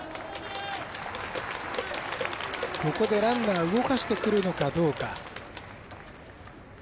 ランナーを動かしてくるのかどうか。